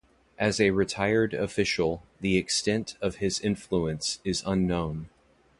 As a retired official, the extent of his influence is unknown.